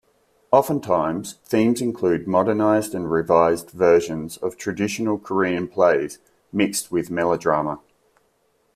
Oftentimes themes include modernized and revised versions of traditional Korean plays mixed with melodrama.